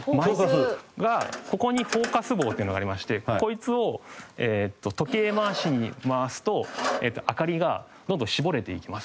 がここにフォーカス棒っていうのがありましてこいつを時計回しに回すと明かりがどんどん絞れていきます。